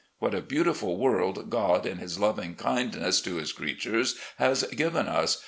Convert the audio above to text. What a beautiful world God, in His loving kindness to His creatures, has given us